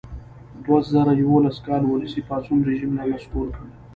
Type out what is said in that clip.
د دوه زره یوولس کال ولسي پاڅون رژیم را نسکور کړ.